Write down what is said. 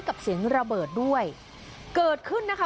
เสียงระเบิดด้วยเกิดขึ้นนะคะ